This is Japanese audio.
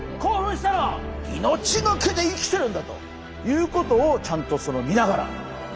命がけで生きてるんだということをちゃんと見ながら。